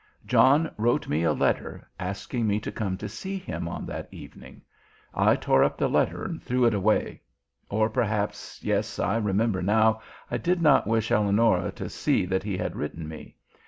"John wrote me a letter asking me to come to see him on that evening. I tore up the letter and threw it away or perhaps, yes, I remember now, I did not wish Eleonora to see that he had written me.